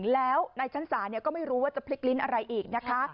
แล้วในชั้นศาลก็ไม่รู้ว่าจะพลิกลิ้นอะไรอีกนะคะ